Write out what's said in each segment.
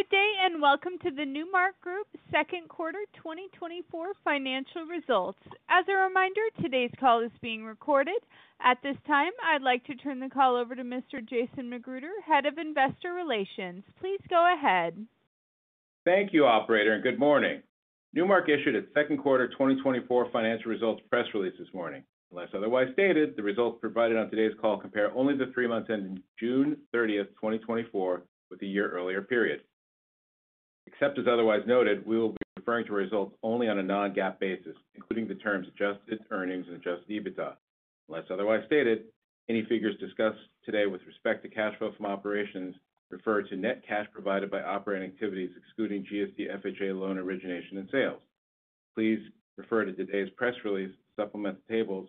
Good day, and welcome to the Newmark Group second quarter 2024 financial results. As a reminder, today's call is being recorded. At this time, I'd like to turn the call over to Mr. Jason McGruder, Head of Investor Relations. Please go ahead. Thank you, operator, and good morning. Newmark issued its second quarter 2024 financial results press release this morning. Unless otherwise stated, the results provided on today's call compare only the three months ending June 30, 2024, with the year earlier period. Except as otherwise noted, we will be referring to results only on a non-GAAP basis, including the terms adjusted earnings and adjusted EBITDA. Unless otherwise stated, any figures discussed today with respect to cash flow from operations refer to net cash provided by operating activities, excluding GSE, FHA, loan origination and sales. Please refer to today's press release, supplemental tables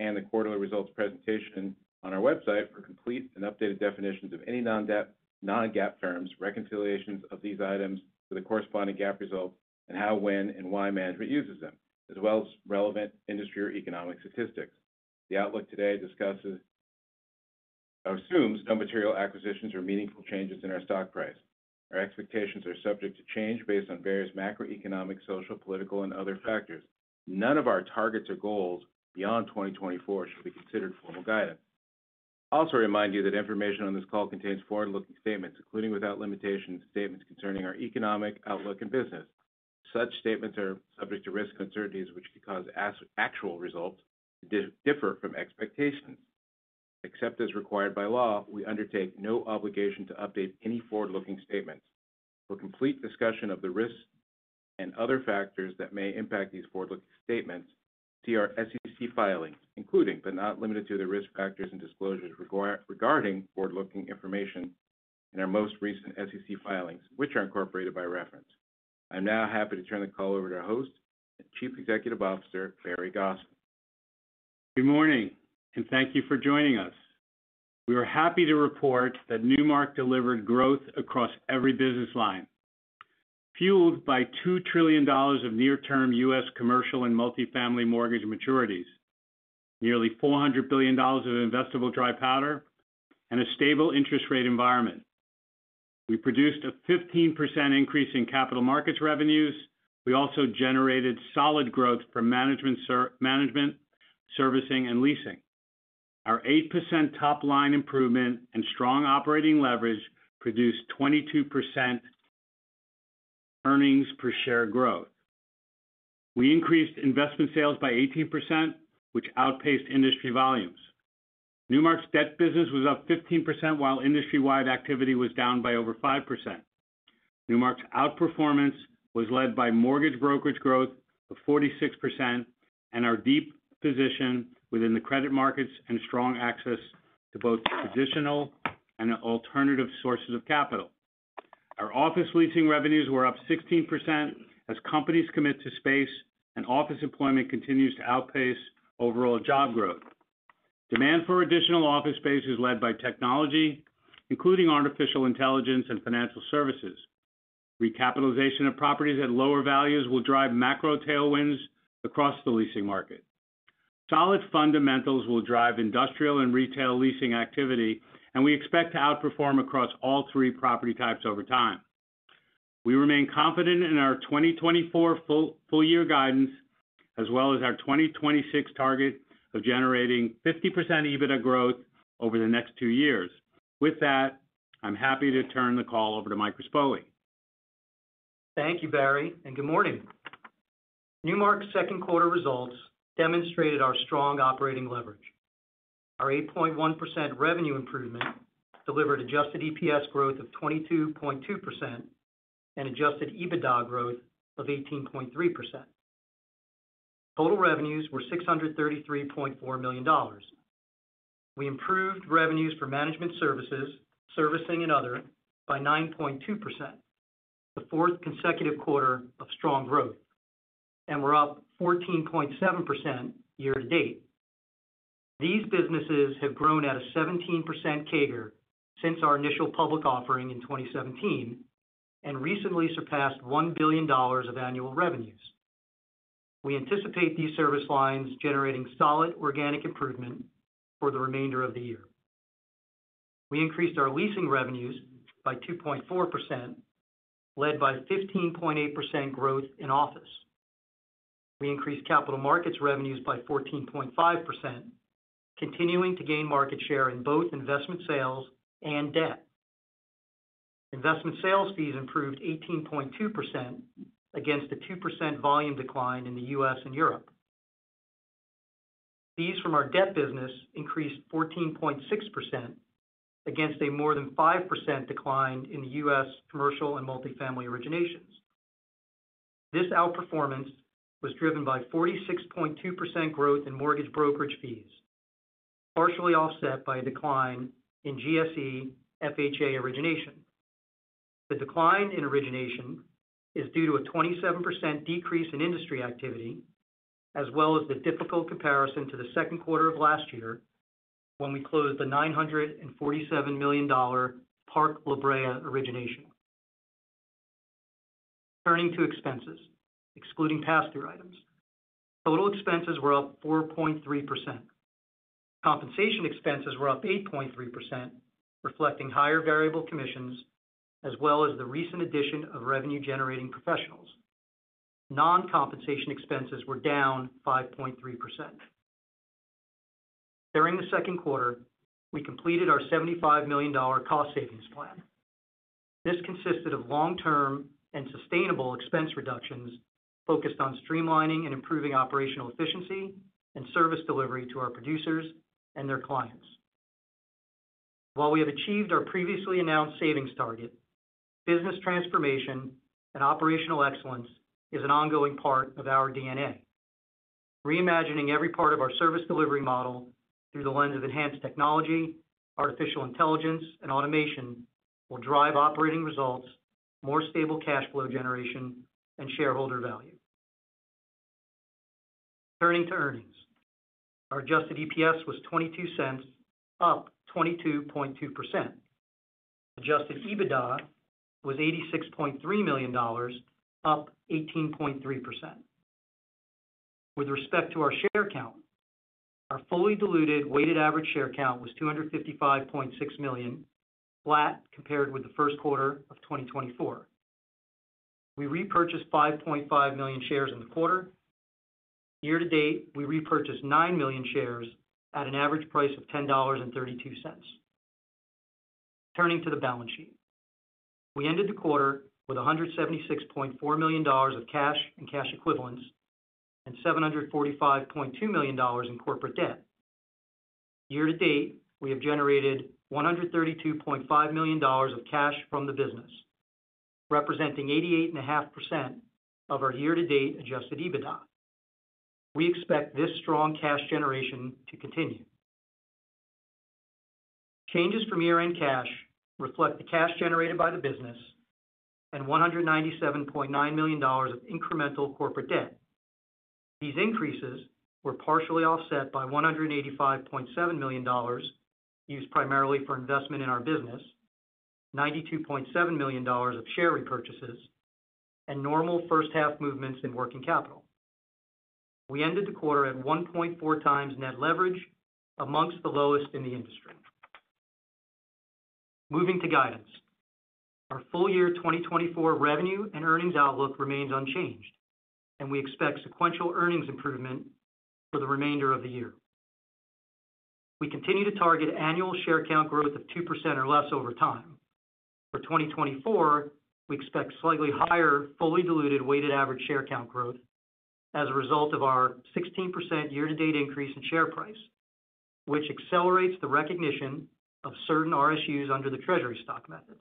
and the quarterly results presentation on our website for complete and updated definitions of any non-debt, non-GAAP terms, reconciliations of these items to the corresponding GAAP results, and how, when, and why management uses them, as well as relevant industry or economic statistics. The outlook today discusses or assumes no material acquisitions or meaningful changes in our stock price. Our expectations are subject to change based on various macroeconomic, social, political, and other factors. None of our targets or goals beyond 2024 should be considered formal guidance. I also remind you that information on this call contains forward-looking statements, including without limitation, statements concerning our economic outlook and business. Such statements are subject to risks and uncertainties, which could cause actual results to differ from expectations. Except as required by law, we undertake no obligation to update any forward-looking statements. For complete discussion of the risks and other factors that may impact these forward-looking statements, see our SEC filings, including but not limited to, the risk factors and disclosures required regarding forward-looking information in our most recent SEC filings, which are incorporated by reference. I'm now happy to turn the call over to our host and Chief Executive Officer, Barry Gosin. Good morning, and thank you for joining us. We are happy to report that Newmark delivered growth across every business line, fueled by $2 trillion of near-term U.S. commercial and multifamily mortgage maturities, nearly $400 billion of investable dry powder, and a stable interest rate environment. We produced a 15% increase in capital markets revenues. We also generated solid growth from management, servicing, and leasing. Our 8% top-line improvement and strong operating leverage produced 22% earnings per share growth. We increased investment sales by 18%, which outpaced industry volumes. Newmark's debt business was up 15%, while industry-wide activity was down by over 5%. Newmark's outperformance was led by mortgage brokerage growth of 46% and our deep position within the credit markets and strong access to both traditional and alternative sources of capital. Our office leasing revenues were up 16% as companies commit to space and office employment continues to outpace overall job growth. Demand for additional office space is led by technology, including artificial intelligence and financial services. Recapitalization of properties at lower values will drive macro tailwinds across the leasing market. Solid fundamentals will drive industrial and retail leasing activity, and we expect to outperform across all three property types over time. We remain confident in our 2024 full-year guidance, as well as our 2026 target of generating 50% EBITDA growth over the next two years. With that, I'm happy to turn the call over to Mike Rispoli. Thank you, Barry, and good morning. Newmark's second quarter results demonstrated our strong operating leverage. Our 8.1% revenue improvement delivered adjusted EPS growth of 22.2% and adjusted EBITDA growth of 18.3%. Total revenues were $633.4 million. We improved revenues for management services, servicing and other by 9.2%, the fourth consecutive quarter of strong growth, and we're up 14.7% year to date. These businesses have grown at a 17% CAGR since our initial public offering in 2017 and recently surpassed $1 billion of annual revenues. We anticipate these service lines generating solid organic improvement for the remainder of the year. We increased our leasing revenues by 2.4%, led by a 15.8% growth in office. We increased capital markets revenues by 14.5%, continuing to gain market share in both investment sales and debt. Investment sales fees improved 18.2% against a 2% volume decline in the U.S. and Europe. Fees from our debt business increased 14.6% against a more than 5% decline in the U.S. commercial and multifamily originations. This outperformance was driven by 46.2% growth in mortgage brokerage fees, partially offset by a decline in GSE FHA origination. The decline in origination is due to a 27% decrease in industry activity, as well as the difficult comparison to the second quarter of last year when we closed the $947 million Park La Brea origination.... Turning to expenses, excluding pass-through items. Total expenses were up 4.3%. Compensation expenses were up 8.3%, reflecting higher variable commissions, as well as the recent addition of revenue-generating professionals. Non-compensation expenses were down 5.3%. During the second quarter, we completed our $75 million cost savings plan. This consisted of long-term and sustainable expense reductions focused on streamlining and improving operational efficiency and service delivery to our producers and their clients. While we have achieved our previously announced savings target, business transformation and operational excellence is an ongoing part of our DNA. Reimagining every part of our service delivery model through the lens of enhanced technology, artificial intelligence, and automation will drive operating results, more stable cash flow generation, and shareholder value. Turning to earnings. Our adjusted EPS was $0.22, up 22.2%. Adjusted EBITDA was $86.3 million, up 18.3%. With respect to our share count, our fully diluted weighted average share count was 255.6 million, flat compared with the first quarter of 2024. We repurchased 5.5 million shares in the quarter. Year to date, we repurchased 9 million shares at an average price of $10.32. Turning to the balance sheet. We ended the quarter with $176.4 million of cash and cash equivalents, and $745.2 million in corporate debt. Year to date, we have generated $132.5 million of cash from the business, representing 88.5% of our year-to-date Adjusted EBITDA. We expect this strong cash generation to continue. Changes from year-end cash reflect the cash generated by the business and $197.9 million of incremental corporate debt. These increases were partially offset by $185.7 million, used primarily for investment in our business, $92.7 million of share repurchases, and normal first half movements in working capital. We ended the quarter at 1.4 times net leverage, among the lowest in the industry. Moving to guidance. Our full year 2024 revenue and earnings outlook remains unchanged, and we expect sequential earnings improvement for the remainder of the year. We continue to target annual share count growth of 2% or less over time. For 2024, we expect slightly higher, fully diluted weighted average share count growth as a result of our 16% year-to-date increase in share price, which accelerates the recognition of certain RSUs under the treasury stock method.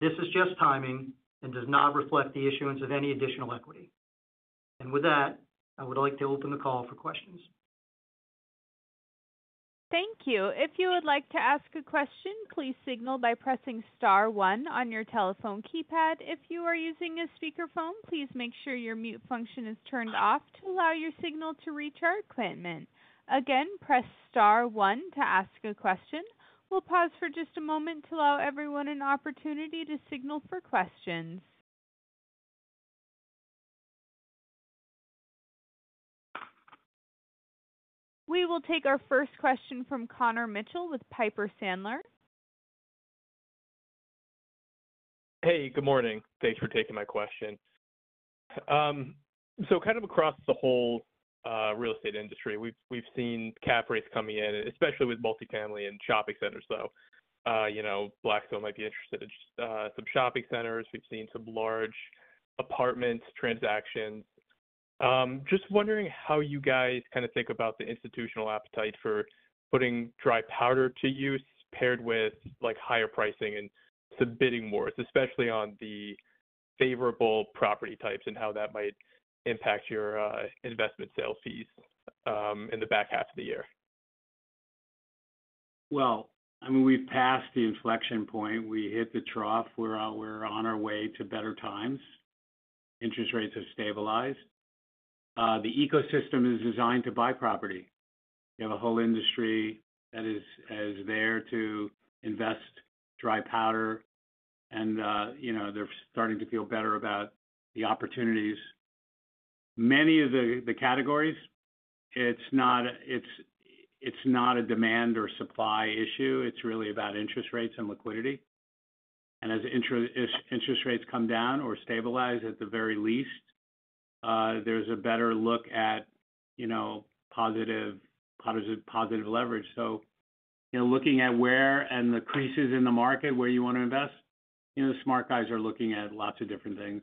This is just timing and does not reflect the issuance of any additional equity. With that, I would like to open the call for questions. Thank you. If you would like to ask a question, please signal by pressing star one on your telephone keypad. If you are using a speakerphone, please make sure your mute function is turned off to allow your signal to reach our equipment. Again, press star one to ask a question. We'll pause for just a moment to allow everyone an opportunity to signal for questions. We will take our first question from Connor Mitchell with Piper Sandler. Hey, good morning. Thanks for taking my question. So kind of across the whole real estate industry, we've seen cap rates coming in, especially with multifamily and shopping centers, though. You know, Blackstone might be interested in some shopping centers. We've seen some large apartment transactions. Just wondering how you guys kind of think about the institutional appetite for putting dry powder to use, paired with like higher pricing and some bidding wars, especially on the favorable property types, and how that might impact your investment sales fees in the back half of the year. Well, I mean, we've passed the inflection point. We hit the trough. We're on our way to better times. Interest rates have stabilized. The ecosystem is designed to buy property. We have a whole industry that is there to invest dry powder, and you know, they're starting to feel better about the opportunities. Many of the categories, it's not a demand or supply issue, it's really about interest rates and liquidity. And as interest rates come down or stabilize, at the very least, there's a better look at, you know, positive leverage. So, you know, looking at where the creases in the market where you want to invest, you know, the smart guys are looking at lots of different things,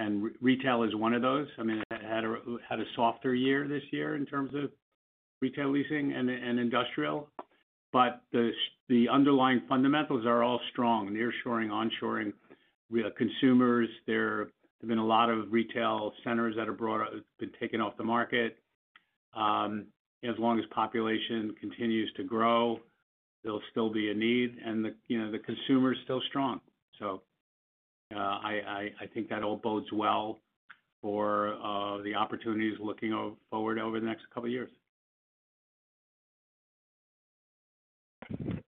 and retail is one of those. I mean, it had a softer year this year in terms of retail leasing and industrial, but the underlying fundamentals are all strong, nearshoring, onshoring. We have consumers. There have been a lot of retail centers that have been taken off the market. As long as population continues to grow, there'll still be a need, and the, you know, the consumer is still strong. So, I think that all bodes well for the opportunities looking forward over the next couple of years.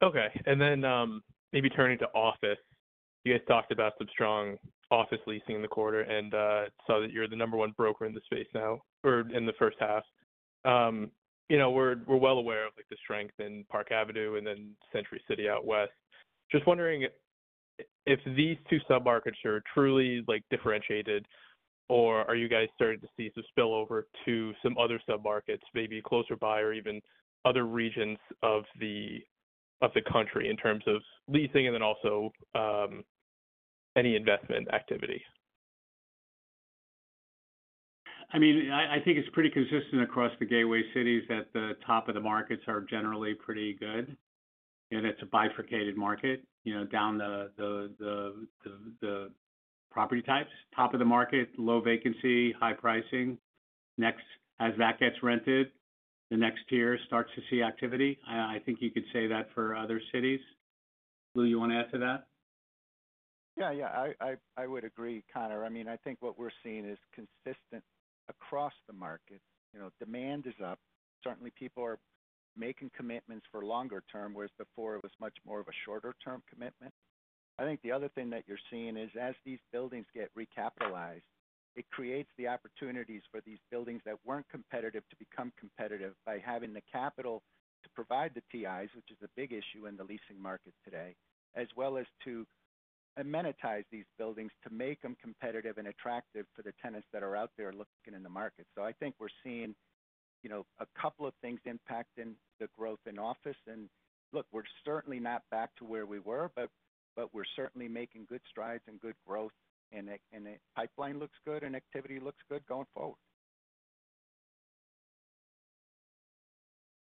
Okay, and then, maybe turning to office. You guys talked about some strong office leasing in the quarter, and saw that you're the number one broker in the space now or in the first half. You know, we're, we're well aware of, like, the strength in Park Avenue and then Century City out west. Just wondering if these two submarkets are truly like, differentiated, or are you guys starting to see some spillover to some other submarkets, maybe closer by or even other regions of the, of the country in terms of leasing and then also any investment activity? I mean, I think it's pretty consistent across the gateway cities that the top of the markets are generally pretty good, and it's a bifurcated market, you know, down the property types. Top of the market, low vacancy, high pricing. Next, as that gets rented, the next tier starts to see activity. I think you could say that for other cities. Lou, you want to add to that? Yeah, yeah, I would agree, Connor. I mean, I think what we're seeing is consistent across the market. You know, demand is up. Certainly, people are making commitments for longer term, whereas before it was much more of a shorter-term commitment. I think the other thing that you're seeing is as these buildings get recapitalized, it creates the opportunities for these buildings that weren't competitive to become competitive by having the capital to provide the TIs, which is a big issue in the leasing market today, as well as to amenitize these buildings to make them competitive and attractive for the tenants that are out there looking in the market. So I think we're seeing, you know, a couple of things impacting the growth in office. And look, we're certainly not back to where we were, but we're certainly making good strides and good growth, and the pipeline looks good and activity looks good going forward.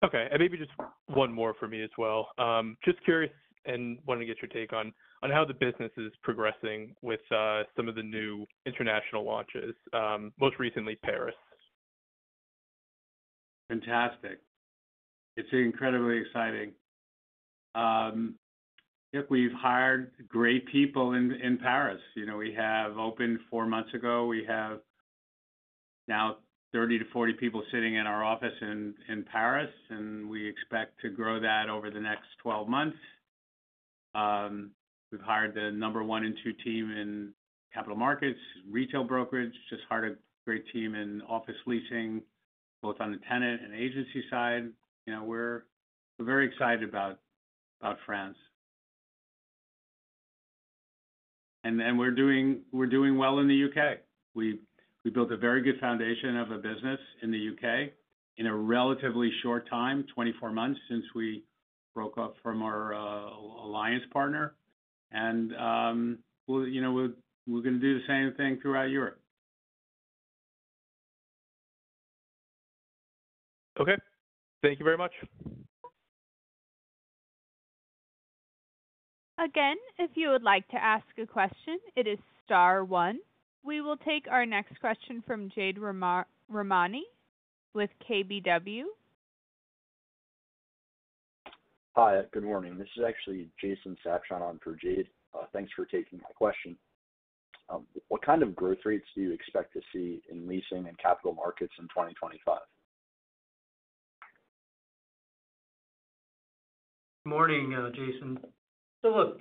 Okay, and maybe just one more for me as well. Just curious and wanted to get your take on how the business is progressing with some of the new international launches, most recently, Paris? Fantastic. It's incredibly exciting. I think we've hired great people in Paris. You know, we have opened four months ago. We have now 30-40 people sitting in our office in Paris, and we expect to grow that over the next 12 months. We've hired the number one and two team in capital markets, retail brokerage, just hired a great team in office leasing, both on the tenant and agency side. You know, we're very excited about France. And then we're doing well in the U.K.. We built a very good foundation of a business in the U.K. in a relatively short time, 24 months since we broke up from our alliance partner. And we'll, you know, we're going to do the same thing throughout Europe. Okay. Thank you very much. Again, if you would like to ask a question, it is star one. We will take our next question from Jade Rahmani with KBW. Hi, good morning. This is actually Jason Sabshon on for Jade. Thanks for taking my question. What kind of growth rates do you expect to see in leasing and capital markets in 2025? Morning, Jason. So look,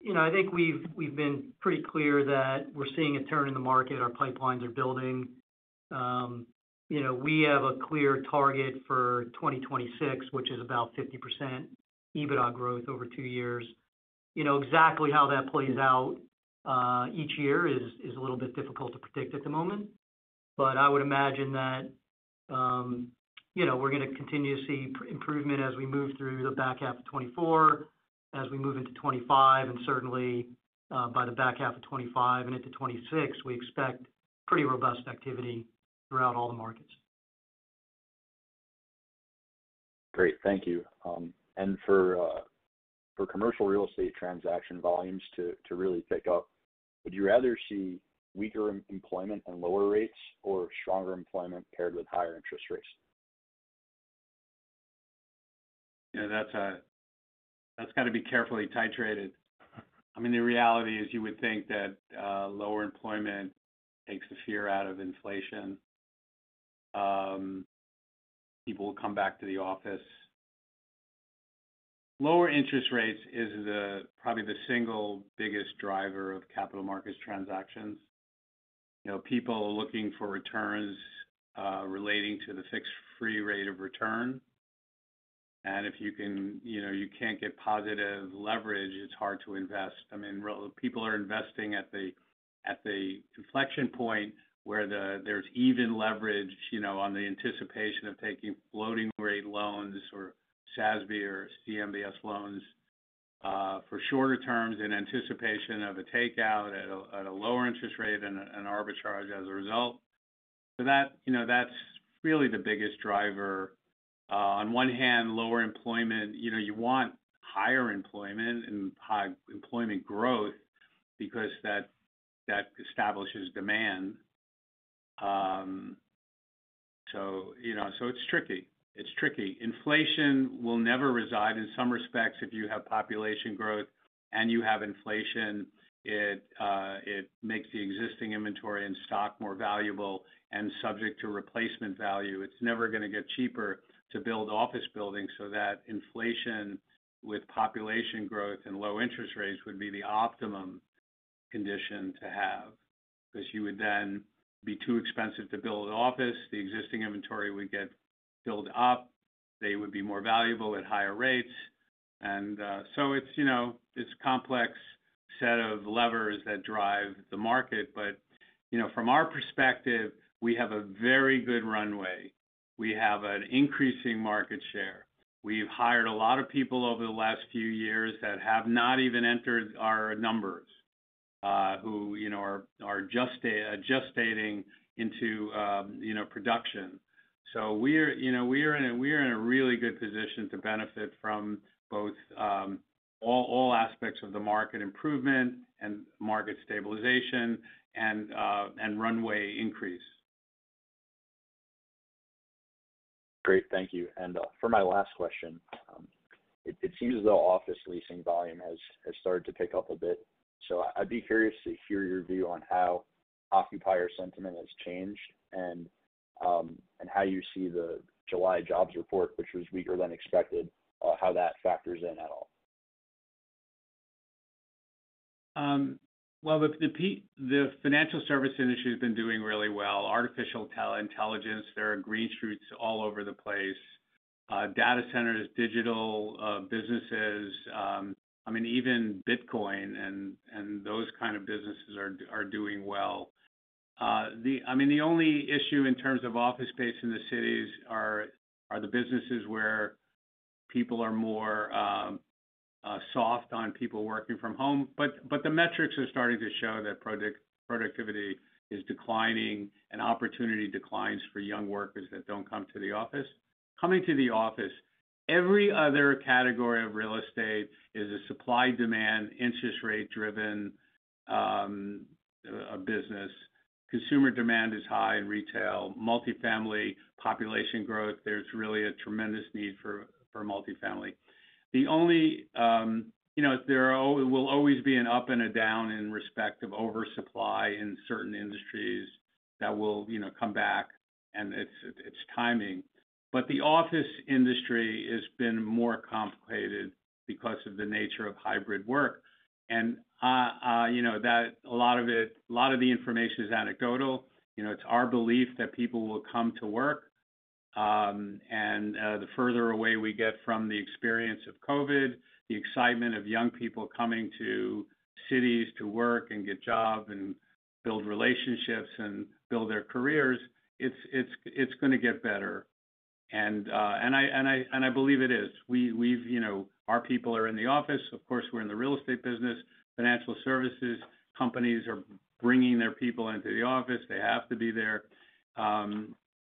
you know, I think we've been pretty clear that we're seeing a turn in the market. Our pipelines are building. You know, we have a clear target for 2026, which is about 50% EBITDA growth over two years. You know, exactly how that plays out, each year is a little bit difficult to predict at the moment, but I would imagine that, you know, we're going to continue to see improvement as we move through the back half of 2024, as we move into 2025, and certainly, by the back half of 2025 and into 2026, we expect pretty robust activity throughout all the markets. Great. Thank you. And for commercial real estate transaction volumes to really pick up, would you rather see weaker employment and lower rates or stronger employment paired with higher interest rates? Yeah, that's, that's got to be carefully titrated. I mean, the reality is you would think that, lower employment takes the fear out of inflation. People will come back to the office. Lower interest rates is the-- probably the single biggest driver of capital markets transactions. You know, people are looking for returns, relating to the fixed free rate of return. And if you can-- you know, you can't get positive leverage, it's hard to invest. I mean, real people are investing at the, at the inflection point where the, there's even leverage, you know, on the anticipation of taking floating rate loans or SASB or CMBS loans, for shorter terms in anticipation of a takeout at a, at a lower interest rate and an arbitrage as a result. So that, you know, that's really the biggest driver. On one hand, lower employment, you know, you want higher employment and high employment growth because that, that establishes demand. So you know, so it's tricky. It's tricky. Inflation will never reside. In some respects, if you have population growth and you have inflation, it, it makes the existing inventory and stock more valuable and subject to replacement value. It's never gonna get cheaper to build office buildings so that inflation with population growth and low interest rates would be the optimum condition to have. Because you would then be too expensive to build an office, the existing inventory would get built up, they would be more valuable at higher rates. And so it's, you know, this complex set of levers that drive the market. But, you know, from our perspective, we have a very good runway. We have an increasing market share. We've hired a lot of people over the last few years that have not even entered our numbers, who, you know, are just gestating into, you know, production. So we're, you know, we're in a really good position to benefit from both all aspects of the market improvement and market stabilization and runway increase. Great, thank you. For my last question, it seems as though office leasing volume has started to pick up a bit, so I'd be curious to hear your view on how occupier sentiment has changed and, and how you see the July jobs report, which was weaker than expected, how that factors in at all? Well, the financial service industry has been doing really well. Artificial intelligence, there are green shoots all over the place. Data centers, digital businesses, I mean, even Bitcoin and those kind of businesses are doing well. I mean, the only issue in terms of office space in the cities are the businesses where people are more soft on people working from home. But the metrics are starting to show that productivity is declining and opportunity declines for young workers that don't come to the office. Coming to the office, every other category of real estate is a supply, demand, interest rate-driven business. Consumer demand is high in retail, multifamily, population growth, there's really a tremendous need for multifamily. The only, you know, there will always be an up and a down in respect of oversupply in certain industries that will, you know, come back, and it's, it's timing. But the office industry has been more complicated because of the nature of hybrid work. And, you know, that a lot of it, a lot of the information is anecdotal. You know, it's our belief that people will come to work, and the further away we get from the experience of COVID, the excitement of young people coming to cities to work and get jobs and build relationships and build their careers, it's gonna get better. And I believe it is. We've, you know, our people are in the office. Of course, we're in the real estate business. Financial services companies are bringing their people into the office. They have to be there.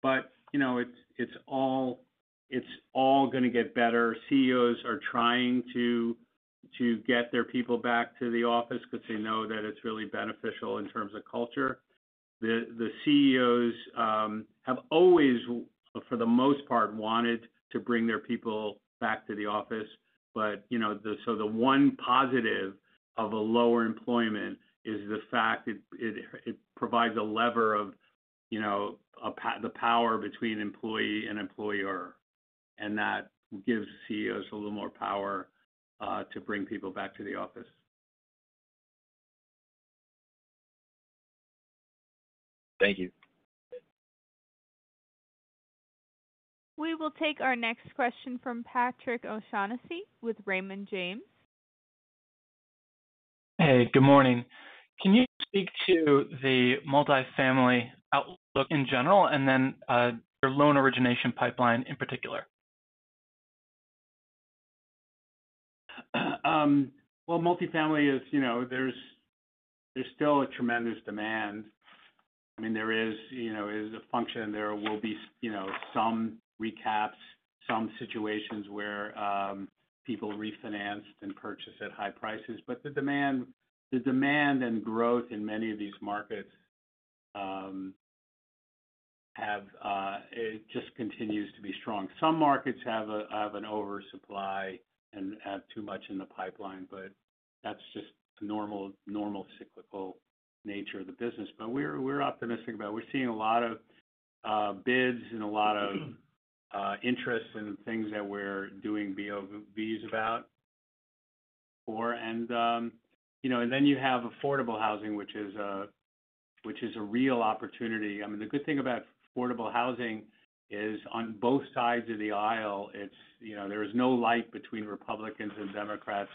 But, you know, it's all gonna get better. CEOs are trying to get their people back to the office because they know that it's really beneficial in terms of culture. The CEOs have always, for the most part, wanted to bring their people back to the office, but, you know, so the one positive of a lower employment is the fact it provides a lever of, you know, the power between employee and employer, and that gives CEOs a little more power to bring people back to the office. Thank you. We will take our next question from Patrick O'Shaughnessy with Raymond James. Hey, good morning. Can you speak to the multifamily outlook in general and then, your loan origination pipeline in particular? Well, multifamily is, you know, there's still a tremendous demand. I mean, there is, you know, as a function, there will be, you know, some recaps, some situations where people refinanced and purchased at high prices. But the demand and growth in many of these markets have it just continues to be strong. Some markets have an oversupply and have too much in the pipeline, but that's just the normal cyclical nature of the business. But we're optimistic about... We're seeing a lot of bids and a lot of interest in things that we're doing BOVs about for. And, you know, and then you have affordable housing, which is a real opportunity. I mean, the good thing about affordable housing is on both sides of the aisle. It's, you know, there is no light between Republicans and Democrats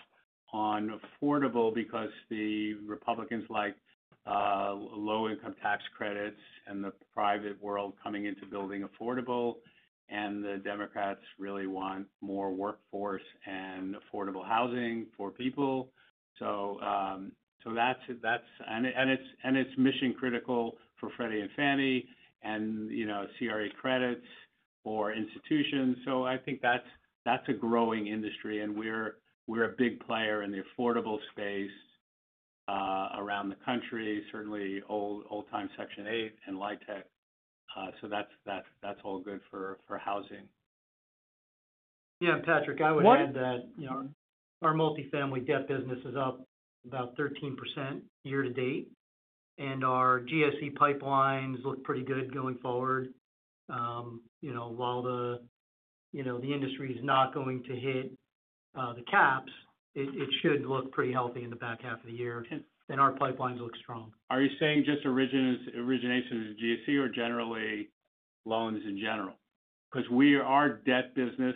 on affordable because the Republicans like low-income tax credits and the private world coming into building affordable, and the Democrats really want more workforce and affordable housing for people. So, so that's – and it's mission-critical for Freddie and Fannie and, you know, CRE credits for institutions. So I think that's a growing industry, and we're a big player in the affordable space around the country, certainly old-time Section 8 and LIHTC. So that's all good for housing. Yeah, Patrick, I would add that, you know, our multifamily debt business is up about 13% year to date, and our GSE pipelines look pretty good going forward. You know, while the, you know, the industry is not going to hit the caps, it, it should look pretty healthy in the back half of the year, and, and our pipelines look strong. Are you saying just originations GSE or generally loans in general? Because our debt business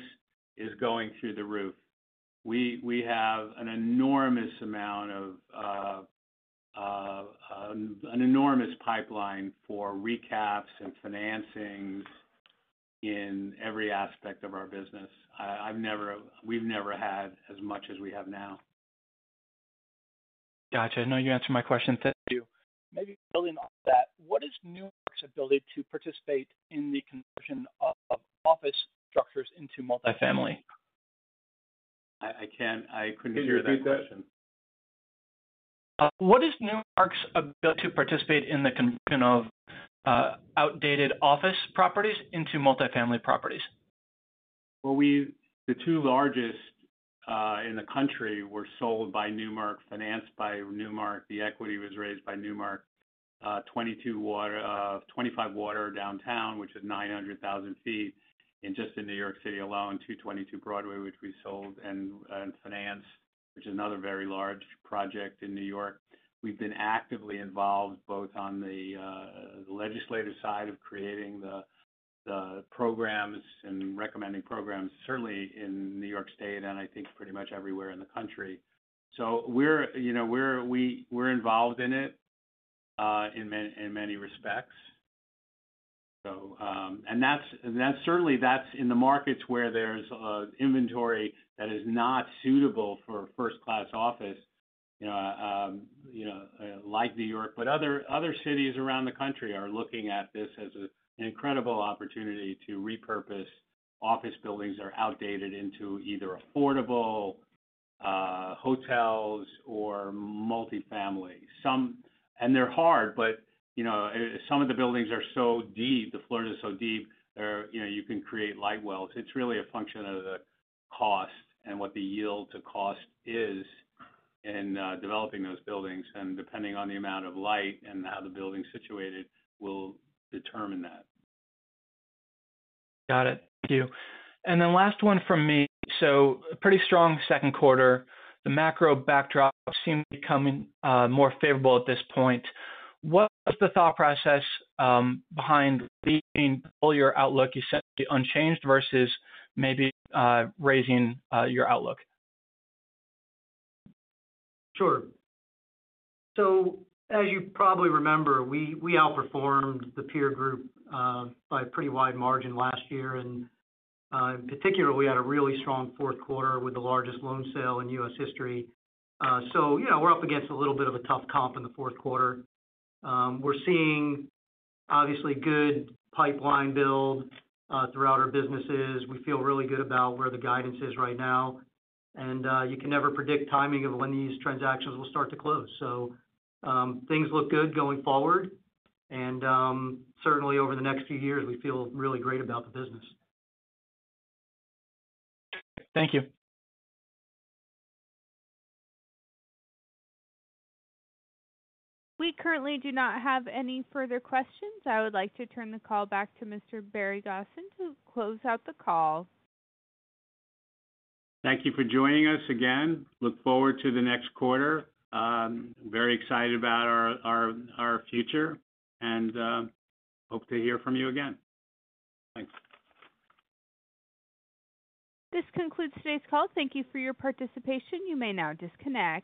is going through the roof. We have an enormous pipeline for recaps and financings in every aspect of our business. We've never had as much as we have now. Gotcha. No, you answered my question. Thank you. Maybe building on that, what is Newmark's ability to participate in the conversion of office structures into multifamily? I can't... I couldn't hear that question. Can you repeat that? What is Newmark's ability to participate in the conversion of outdated office properties into multifamily properties? Well, the two largest in the country were sold by Newmark, financed by Newmark. The equity was raised by Newmark, 22 Water, 25 Water downtown, which is 900,000 feet. And just in New York City alone, 222 Broadway, which we sold and financed, which is another very large project in New York. We've been actively involved both on the legislative side of creating the programs and recommending programs, certainly in New York State and I think pretty much everywhere in the country. So we're, you know, we're involved in it, in many respects. So, and that's certainly that's in the markets where there's inventory that is not suitable for first-class office, you know, like New York. But other cities around the country are looking at this as an incredible opportunity to repurpose office buildings that are outdated into either affordable hotels or multifamily. And they're hard, but, you know, some of the buildings are so deep, the floors are so deep, they're, you know, you can create light wells. It's really a function of the cost and what the yield to cost is in developing those buildings, and depending on the amount of light and how the building is situated, will determine that. Got it. Thank you. And then last one from me. So a pretty strong second quarter. The macro backdrop seem to be becoming more favorable at this point. What was the thought process behind leaving all your outlook essentially unchanged versus maybe raising your outlook? Sure. So as you probably remember, we outperformed the peer group by a pretty wide margin last year. And in particular, we had a really strong fourth quarter with the largest loan sale in U.S. history. So, you know, we're up against a little bit of a tough comp in the fourth quarter. We're seeing obviously good pipeline build throughout our businesses. We feel really good about where the guidance is right now, and you can never predict timing of when these transactions will start to close. So, things look good going forward, and certainly over the next few years, we feel really great about the business. Thank you. We currently do not have any further questions. I would like to turn the call back to Mr. Barry Gosin to close out the call. Thank you for joining us again. Look forward to the next quarter. Very excited about our future, and hope to hear from you again. Thanks. This concludes today's call. Thank you for your participation. You may now disconnect.